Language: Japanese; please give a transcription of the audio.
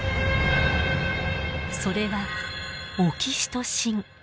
それがオキシトシン。